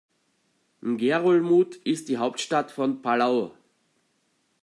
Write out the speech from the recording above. Ngerulmud ist die Hauptstadt von Palau.